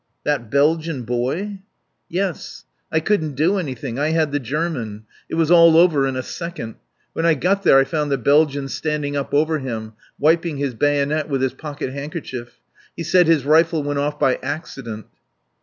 "That Belgian boy?" "Yes. I couldn't do anything. I had the German. It was all over in a second.... When I got there I found the Belgian standing up over him, wiping his bayonet with his pockethandkerchief. He said his rifle went off by accident."